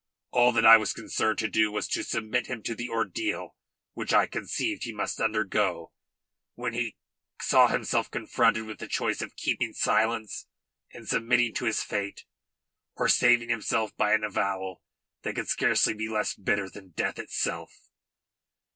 All that I was concerned to do was to submit him to the ordeal which I conceived he must undergo when he saw himself confronted with the choice of keeping silence and submitting to his fate, or saving himself by an avowal that could scarcely be less bitter than death itself."